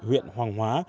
huyện hoàng hóa